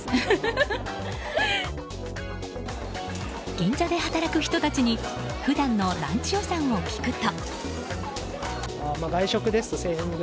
銀座で働く人たちに普段のランチ予算を聞くと。